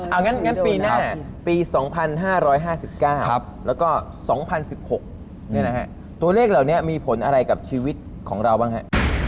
เอางั้นปีหน้าปี๒๕๕๙แล้วก็๒๐๑๖ตัวเลขเหล่านี้มีผลอะไรกับชีวิตของเราบ้างฮะ